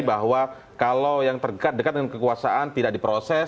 bahwa kalau yang dekat dengan kekuasaan tidak diproses